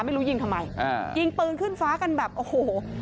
ไม่รู้ยิงทำไมอ่ายิงปืนขึ้นฟ้ากันแบบโอ้โห